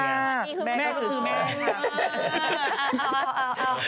แม่ก็คือแม่ค่ะเออ